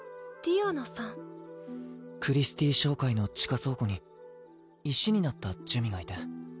クリスティー商会の地下倉庫に石になった珠魅がいて。